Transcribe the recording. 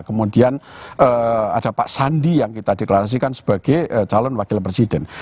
kemudian ada pak sandi yang kita deklarasikan sebagai calon wakil presiden